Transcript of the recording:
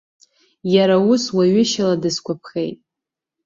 Иара ус, уаҩышьала дысгәаԥхеит.